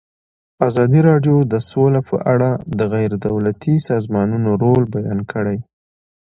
ازادي راډیو د سوله په اړه د غیر دولتي سازمانونو رول بیان کړی.